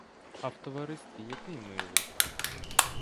А в товаристві який милий!